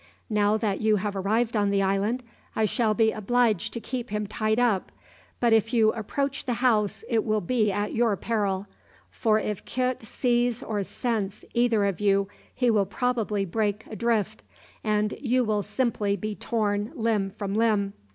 Now that you have arrived on the island I shall be obliged to keep him tied up; but if you approach the house it will be at your peril; for if Kit sees or scents either of you he will probably break adrift, and you will simply be torn limb from limb.